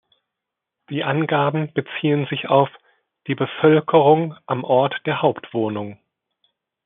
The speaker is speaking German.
Die Angaben beziehen sich auf die "Bevölkerung am Ort der Hauptwohnung".